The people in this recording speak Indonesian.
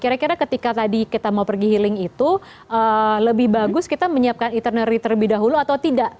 kira kira ketika tadi kita mau pergi healing itu lebih bagus kita menyiapkan itinery terlebih dahulu atau tidak